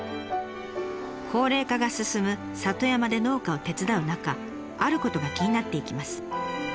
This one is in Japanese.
高齢化が進む里山で農家を手伝う中あることが気になっていきます。